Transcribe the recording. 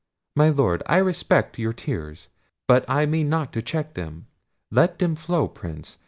—My Lord, I respect your tears—but I mean not to check them—let them flow, Prince!